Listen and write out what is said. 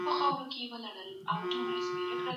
ایا ملي بڼوال تور ممیز پروسس کوي؟